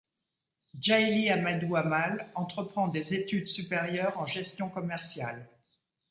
Djaïli Amadou Amal entreprend des études supérieures en gestion commerciale.